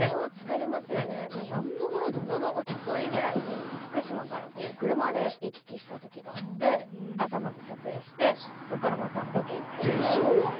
ちょうど一昨日くらいに福島から車で行き来した時があって朝まで撮影してそこからまたロケに行って。